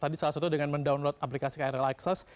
tadi salah satu dengan mendownload aplikasi krl access